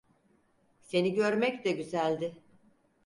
Seni görmek de güzeldi.